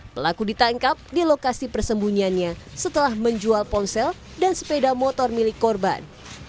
pelaku ditangkap di lokasi persembunyiannya setelah menjual ponsel dan sepeda motor milik korban